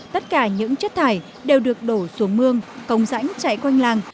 tất cả những chất thải đều được đổ xuống mương cống sảnh chạy quanh làng